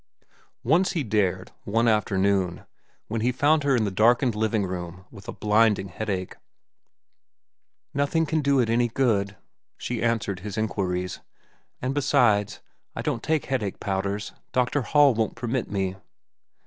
Once he dared, one afternoon, when he found her in the darkened living room with a blinding headache. "Nothing can do it any good," she had answered his inquiries. "And besides, I don't take headache powders. Doctor Hall won't permit me."